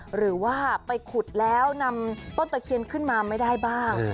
หรือว่าไปขุดแล้วนำต้นตะเคียนขึ้นมาไม่ได้บ้าง